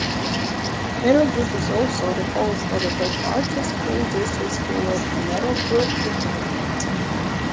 Meadowbrook is also the host of the Bethalto School District school of Meadowbrook Intermediate.